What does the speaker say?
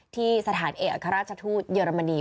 ที่สถานเอกราชธุเยอรมนี